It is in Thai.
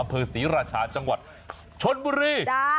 อำเภอศรีราชาจังหวัดชนบุรี